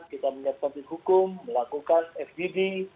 kita menyiapkan hukum melakukan fdd